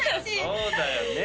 そうだよね